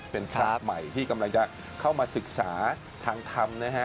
เป็นพระใหม่ที่กำลังจะเข้ามาศึกษาทางธรรมนะฮะ